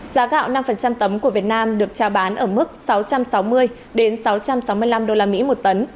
giá gạo năm tấm của việt nam được trao bán ở mức sáu trăm sáu mươi sáu trăm sáu mươi năm usd một tấn